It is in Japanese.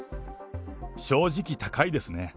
正直、高いですね。